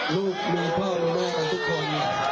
ลูกแม่พ่อแม่แม่ของทุกคน